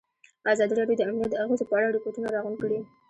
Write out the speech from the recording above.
ازادي راډیو د امنیت د اغېزو په اړه ریپوټونه راغونډ کړي.